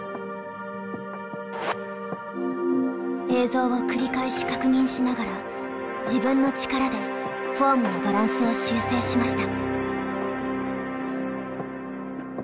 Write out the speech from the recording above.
映像を繰り返し確認しながら自分の力でフォームのバランスを修正しました。